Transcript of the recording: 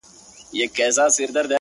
له دې نه مخكي چي ته ما پرېږدې،